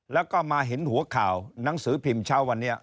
แล้วก็มาเห็นหัวข่าวหนังสือพิมพ์เช้าวันนี้